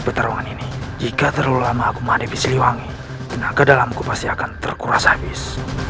pertarungan ini jika terlalu lama aku menghadapi siliwangi tenaga dalamku pasti akan terkuras habis